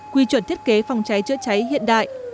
quy chuẩn thiết kế phòng cháy chữa cháy